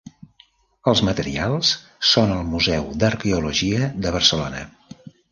Els materials són al Museu d'Arqueologia de Barcelona.